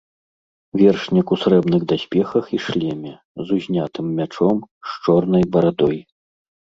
Вершнік у срэбных даспехах і шлеме, з узнятым мячом, з чорнай барадой.